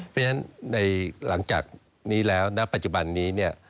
เพราะฉะนั้นในหลังจากนี้แล้วณปัจจุบันนี้เนี่ย